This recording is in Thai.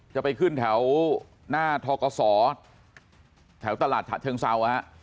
จะไปขึ้นแถวหน้าทอเกาะสอแถวตลาดเชิงเซา